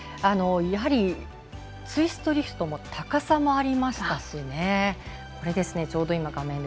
やはり、ツイストリフト高さもありましたし。